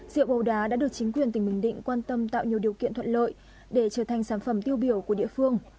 rượu ố đá đã được chính quyền tỉnh bình định quan tâm tạo nhiều điều kiện thuận lợi để trở thành sản phẩm tiêu biểu của địa phương